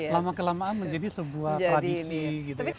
lama kelamaan menjadi sebuah tradisi